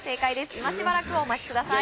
今しばらくお待ちください